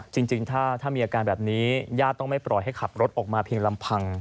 จริงถ้ามีอาการแบบนี้ญาติต้องไม่ปล่อยให้ขับรถออกมาเพียงลำพัง